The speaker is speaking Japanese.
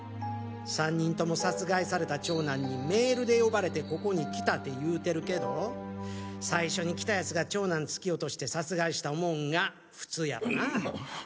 ３人とも殺害された長男にメールで呼ばれてここに来たって言うてるけど最初に来た奴が長男突き落として殺害した思うんが普通やろなぁ。